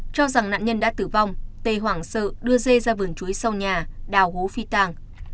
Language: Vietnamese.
cho rằng nạn nhân đã tử vong tê hoảng sợ đưa dê ra vườn chuối sau nhà đào hố phi tàng